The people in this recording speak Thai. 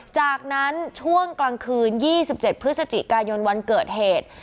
จากนั้นช่วงกลางคืน๒๗พฤศจิกายนวันเกิดเหตุ